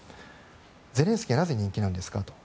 ゼレンスキーはなぜ人気なんですかと。